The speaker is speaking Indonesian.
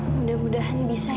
ya mudah mudahan bisa ya pak